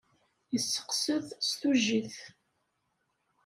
Yesseqseq s tujit.